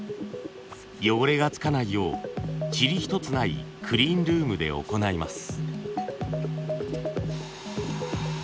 汚れがつかないようチリ一つないクリーンルームで行います。